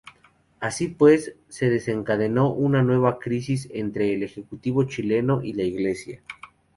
Así pues, se desencadenó una nueva crisis entre el Ejecutivo chileno y la Iglesia.